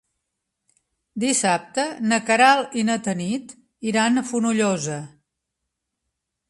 Dissabte na Queralt i na Tanit iran a Fonollosa.